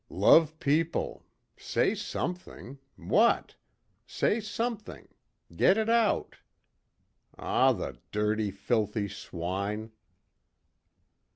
"Love people. Say something. What? Say something. Get it out. Aw, the dirty, filthy swine."